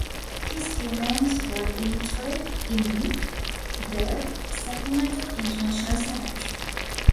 His remains were interred in the Sakamoto international cemetery.